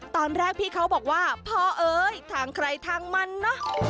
ตอนแรกพี่เขาบอกว่าพ่อเอ้ยทางใครทางมันเนอะ